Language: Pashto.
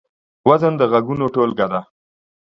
وزن د غږونو ټولګه ده.